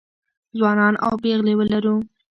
ځوانان او پېغلې ولرو